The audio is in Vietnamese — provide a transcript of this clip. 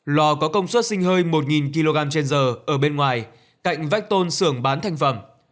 lò có công suất sinh hơi một kg trên giờ ở bên ngoài cạnh vách tôn sưởng bán thành phẩm